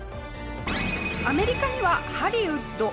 アメリカにはハリウッド